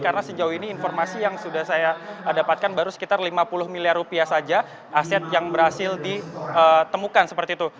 karena sejauh ini informasi yang sudah saya dapatkan baru sekitar lima puluh miliar rupiah saja aset yang berhasil ditemukan seperti itu